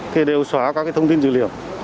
thì đều xóa các thông tin dữ liệu